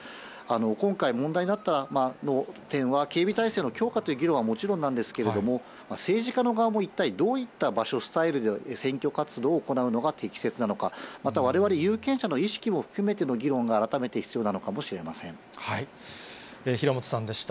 今回、問題になった点は、警備態勢の強化という議論はもちろんなんですけれども、政治家の側も一体どういった場所、スタイルで選挙活動を行うのが適切なのか、またわれわれ有権者の意識も含めての議論が改めて必要なのかもし平本さんでした。